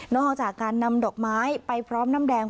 อกจากการนำดอกไม้ไปพร้อมน้ำแดง